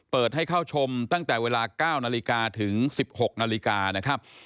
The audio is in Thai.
เปิดให้เข้าชมตั้งแต่เวลา๙นาฬิกาถึง๑๖นาฬิกานะครับ